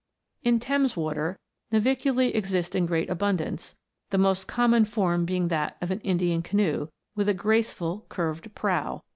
In Thames water, Naviculce exist in great abundance, the most common form being that of an Indian canoe, with a gracefully curved prow.